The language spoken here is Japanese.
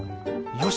よし！